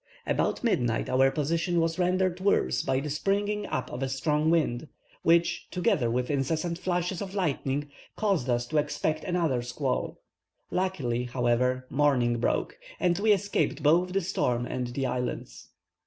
About midnight our position was rendered worse by the springing up of a strong wind, which, together with incessant flashes of lightning, caused us to expect another squall; luckily, however, morning broke, and we escaped both the storm and the islands.